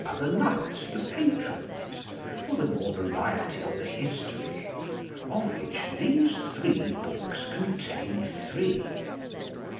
other knights the patrones, for the more variety of the history: of which these three bookes contayn three.